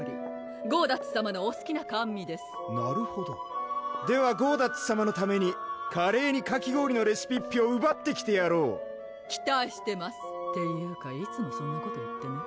ゴーダッツさまのおすきな甘味ですなるほどではゴーダッツさまのために華麗にかきごおりのレシピッピをうばってきてやろう期待してますっていうかいつもそんなこと言ってね？